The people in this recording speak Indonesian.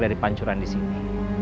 dari pancuran di sini